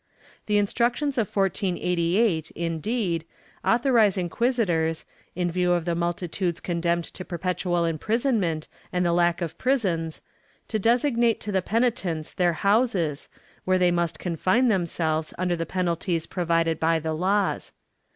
The Instructions of 1488, indeed, authorize inquisitors, in view of the multitudes condemned to perpetual imprisonment and the lack of prisons, to designate to the penitents their houses, where they must confine themselves under the penalties provided by the laws.